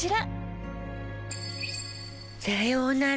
さようなら。